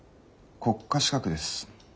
国家資格です。